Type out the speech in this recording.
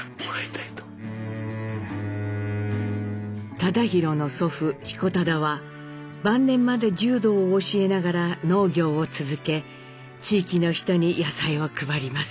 忠宏の祖父彦忠は晩年まで柔道を教えながら農業を続け地域の人に野菜を配ります。